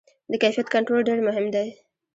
د کیفیت کنټرول ډېر مهم دی.